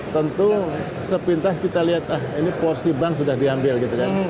tentu sepintas kita lihat ah ini porsi bank sudah diambil gitu kan